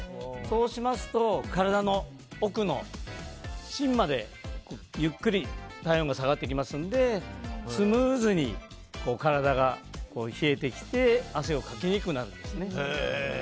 そうしますと体の奥の芯までゆっくり体温が下がってきますのでスムーズに体が冷えてきて汗をかきにくくなるんですね。